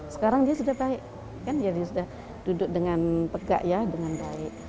sekarang dia sudah baik kan jadi sudah duduk dengan tegak ya dengan baik